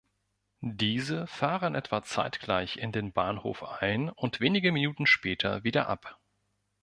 Diese fahren etwa zeitgleich in den Bahnhof ein und wenige Minuten später wieder ab.